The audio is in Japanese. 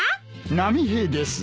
波平です。